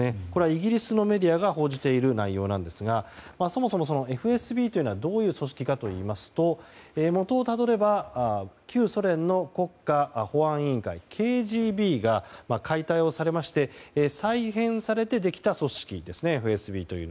イギリスのメディアが報じている内容なんですがそもそも、ＦＳＢというのはどういう組織かといいますと元をたどれば旧ソ連の国家保安委員会・ＫＧＢそれが解体をされまして再編されてできた組織です。